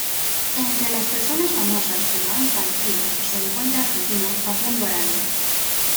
Entre las personas famosas que lo han padecido se encuentra el argentino Facundo Arana.